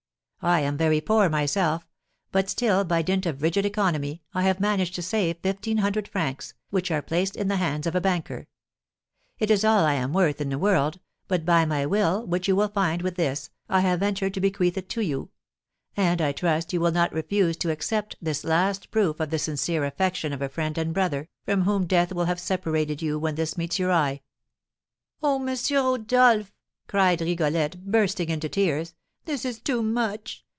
I am very poor myself, but still, by dint of rigid economy, I have managed to save fifteen hundred francs, which are placed in the hands of a banker; it is all I am worth in the world, but by my will, which you will find with this, I have ventured to bequeath it to you; and I trust you will not refuse to accept this last proof of the sincere affection of a friend and brother, from whom death will have separated you when this meets your eye.' "Oh, M. Rodolph," cried Rigolette, bursting into tears, "this is too much!